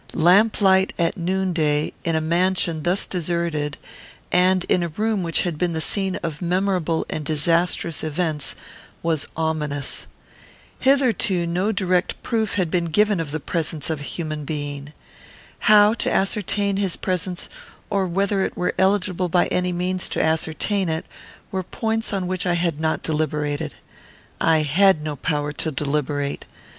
Lamplight at noonday, in a mansion thus deserted, and in a room which had been the scene of memorable and disastrous events, was ominous. Hitherto no direct proof had been given of the presence of a human being. How to ascertain his presence, or whether it were eligible by any means to ascertain it, were points on which I had not deliberated. I had no power to deliberate.